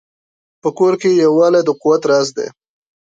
په کور کې یووالی د قوت راز دی.